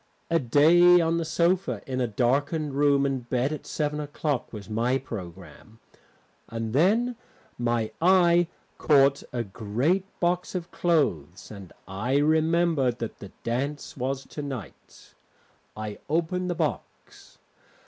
A day on the sofa in a darkened room and bed at seven o'clock was my programme. And then my eye caught a great box of clothes, and I remembered that the dance was to night. I opened the box.